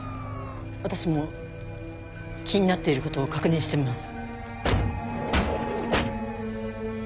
私も気になっていることを確認してみます。